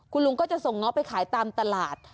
คุณลุงก็จะส่งเงาะไปขายตามตลาด